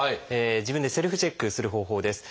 自分でセルフチェックする方法です。